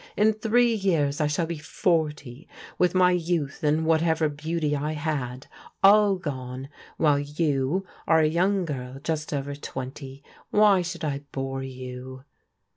In three years I shall be forty, with my youth, and whatever beauty I had, all gone, while you are a young girl just over twenty. Why should I bore you?"